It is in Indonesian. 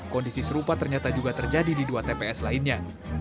kondisi serupa ternyata juga terjadi di dua tps lainnya